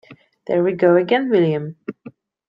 There we go again, William!